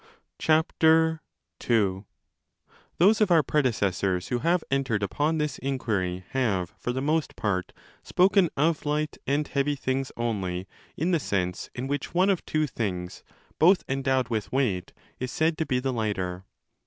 2 Those of our predecessors who have entered upon this inquiry have for the most part spoken of light and heavy 35 things only in the sense in which one of two things both go8? endowed with weight is said to be the lighter.